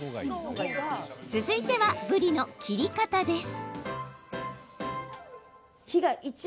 続いては、ぶりの切り方です。